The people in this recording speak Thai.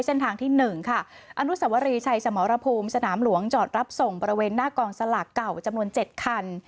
เส้นทางที่๑ค่ะอนุสวรีชัยสมรภูมิสนามหลวงจอดรับส่งบริเวณหน้ากองสลากเก่าจำนวน๗คัน